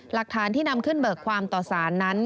หลักฐานที่นำขึ้นเบิกความต่อสารนั้น